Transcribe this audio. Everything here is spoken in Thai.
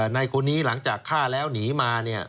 ในคนนี้หลังจากฆ่าแล้วหนีมาเนี่ย